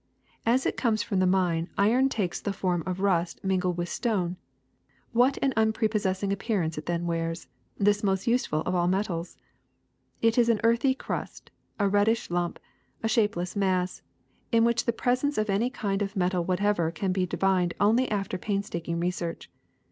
As it comes from the mine, iron takes this form of rust mingled with stone. What an unpre possessing appearance it then wears, this most use ful of all the metals ! It is an earthy crust, a reddish lump, a shapeless mass, in which the presence of any kind of metal whatever can be divined only after painstaking research.